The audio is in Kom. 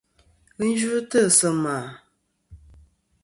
Ghi yvɨtɨ sɨ ma.